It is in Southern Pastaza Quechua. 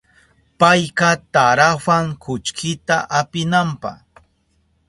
Payka tarawan kullkita apinanpa.